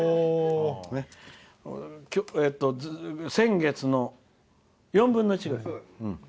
先月の４分の１ぐらい。